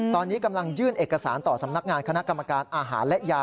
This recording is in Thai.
ตอนนี้กำลังยื่นเอกสารต่อสำนักงานคณะกรรมการอาหารและยา